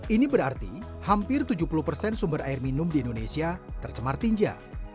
ini berarti hampir tujuh puluh persen sumber air minum di indonesia tercemar tinja